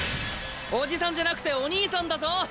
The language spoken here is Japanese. おじさんじゃなくておにいさんだぞ俺は！